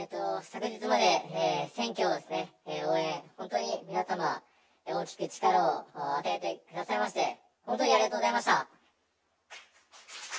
昨日まで選挙の応援、本当に皆様、大きく力を与えてくださいまして、本当にありがとうございました。